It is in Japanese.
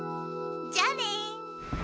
じゃあね。